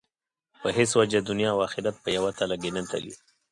په هېڅ وجه دنیا او آخرت په یوه تله کې نه تلي.